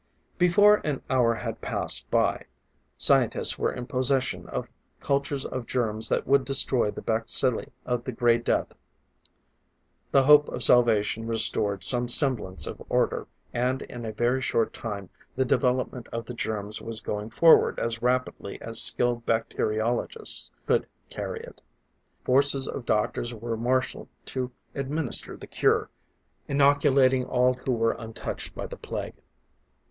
Before an hour had passed by, scientists were in possession of cultures of germs that would destroy the bacilli of the Gray Death. The hope of salvation restored some semblance of order; and in a very short time the development of the germs was going forward as rapidly as skilled bacteriologists could carry it. Forces of doctors were marshalled to administer the cure, inoculating all who were untouched by the Plague.